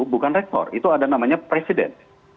bukan rektor itu ada namanya presiden